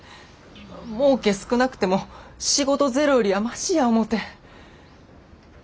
もうけ少なくても仕事ゼロよりはマシや思て。